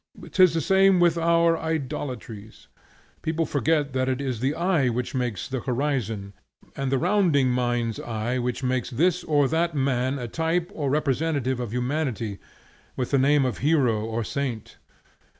'Tis the same with our idolatries. People forget that it is the eye which makes the horizon, and the rounding mind's eye which makes this or that man a type or representative of humanity, with the name of hero or saint.